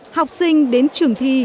học sinh đến trường thi